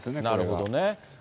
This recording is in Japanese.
なるほどね。